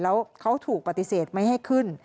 แล้วเขาถูกปฏิเสธไม่ให้ขึ้น